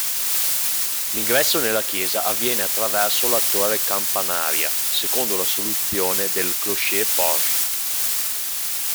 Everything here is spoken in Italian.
L'ingresso nella chiesa avviene attraverso la torre campanaria secondo la soluzione del "clocher-porche".